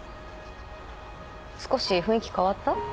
少し雰囲気変わった？